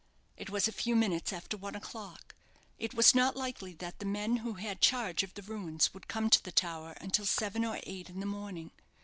It was a few minutes after one o'clock. It was not likely that the man who had charge of the ruins would come to the tower until seven or eight in the morning.